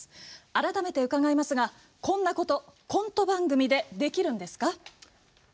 改めて伺いますが、こんなことコント番組でできるんですか？